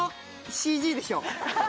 ＣＧでしょ